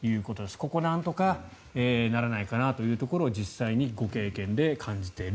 ここ、なんとかならないかなというところを実際にご経験で感じている。